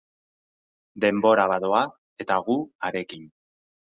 Denbora badoa eta gu harekin.